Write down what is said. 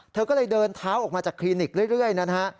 เธอก็เลยเดินเท้าออกมาจากคลินิกเรื่อยนะฮะ